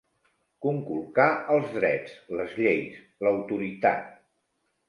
Conculcar els drets, les lleis, l'autoritat.